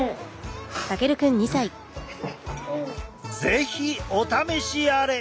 是非お試しあれ！